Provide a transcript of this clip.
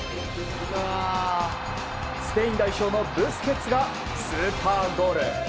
スペイン代表のブスケッツがスーパーゴール。